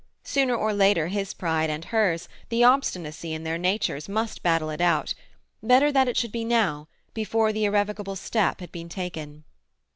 Sooner or later his pride and hers, the obstinacy in their natures, must battle it out; better that it should be now, before the irrevocable step had been taken.